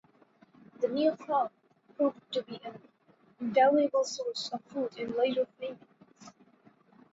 The new crop proved to be an invaluable source of food in later famines.